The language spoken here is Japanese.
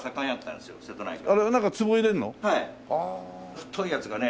太いやつがね